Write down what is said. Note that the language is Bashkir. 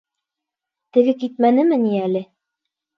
Теге китмәнеме ни әле?